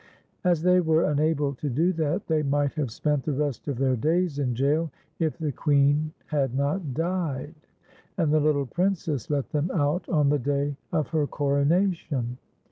As thc\ were unable to do that, they might have spent the rest of their dajs in jail, if the Queen had not died, and the little Prin cess let them out on the day of her coronation.